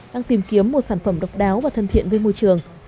đang tìm kiếm một sản phẩm độc đáo và thân thiện với môi trường